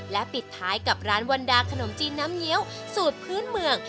และปิดท้ายกับร้านวันดาขนมจีนน้ำเงี้ยวสูตรพื้นเมือง